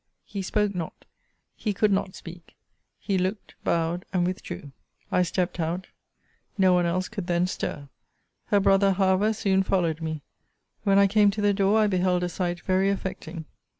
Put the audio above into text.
He spoke not. He could not speak. He looked, bowed, and withdrew. I stept out. No one else could then stir. Her brother, however, soon followed me. When I came to the door, I beheld a sight very affecting.